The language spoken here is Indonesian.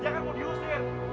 dia kan mau diusir